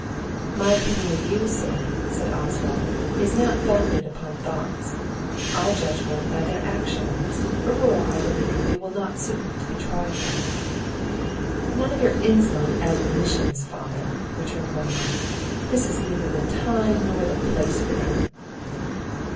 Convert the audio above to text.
"My opinion of you, Sir," said Oswald, "is not founded upon thoughts I judge of men by their actions, a rule, I believe, it will not suit you to be tried by." "None of your insolent admonitions, father!" returned Wenlock; "this is neither the time nor the place for them."